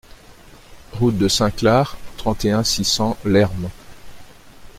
Route de Saint-Clar, trente et un, six cents Lherm